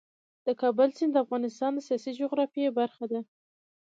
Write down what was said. د کابل سیند د افغانستان د سیاسي جغرافیه برخه ده.